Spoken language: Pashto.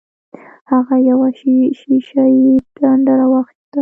هغه یوه شیشه یي ډنډه راواخیسته.